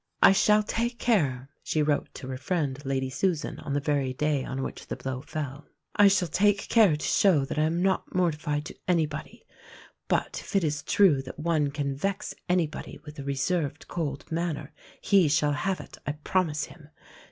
"I shall take care," she wrote to her friend, Lady Susan, on the very day on which the blow fell, "I shall take care to show that I am not mortified to anybody; but if it is true that one can vex anybody with a reserved, cold manner, he shall have it, I promise him.